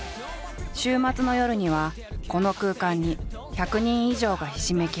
週末の夜にはこの空間に１００人以上がひしめき合う。